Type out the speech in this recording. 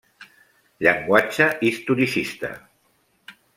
Llenguatge historicista.